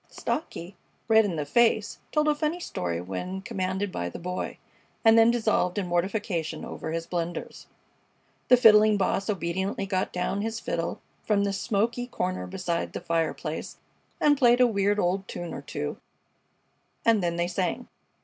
Stocky, red in the face, told a funny story when commanded by the Boy, and then dissolved in mortification over his blunders. The Fiddling Boss obediently got down his fiddle from the smoky corner beside the fireplace and played a weird old tune or two, and then they sang.